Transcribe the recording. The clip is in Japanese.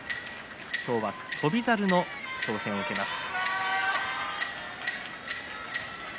今日は翔猿の挑戦を受けます。